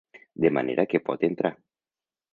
De manera que pot entrar.